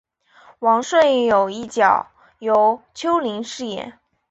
王顺友一角由邱林饰演。